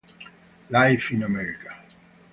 Live in America